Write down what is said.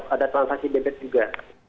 ada transaksi debit juga